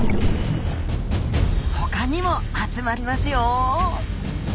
他にも集まりますよ。